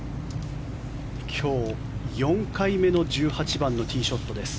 今日、４回目の１８番のティーショットです。